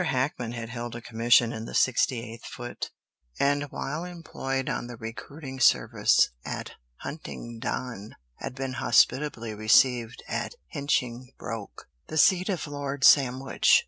Hackman had held a commission in the 68th Foot, and while employed on the recruiting service at Huntingdon, had been hospitably received at Hinchingbroke, the seat of Lord Sandwich.